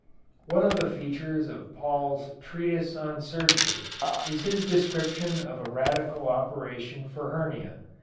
One of the features of Paul's "Treatise on Surgery" is his description of a radical operation for hernia.